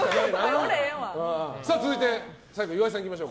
続いて最後、岩井さんいきましょう。